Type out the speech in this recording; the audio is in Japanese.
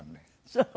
そう。